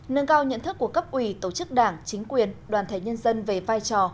nâng cao nhận thức của cấp ủy tổ chức đảng chính quyền đoàn thể nhân dân về vai trò